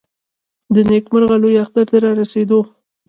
د نېکمرغه لوی اختر د رارسېدو .